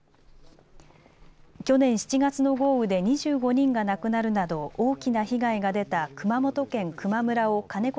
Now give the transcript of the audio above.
去年７月の豪雨で２５人が亡くなるなど大きな被害が出た熊本県球磨村を金子